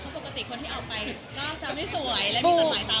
ปกติคนที่ออกไปก็จะไม่สวยและมีจดหมายตาม